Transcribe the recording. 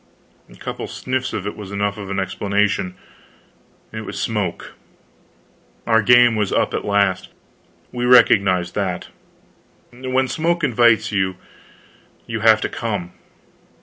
A couple of sniffs of it was enough of an explanation it was smoke! Our game was up at last. We recognized that. When smoke invites you, you have to come.